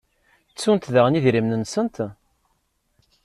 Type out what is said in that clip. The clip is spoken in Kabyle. Ttunt daɣen idrimen-nsent?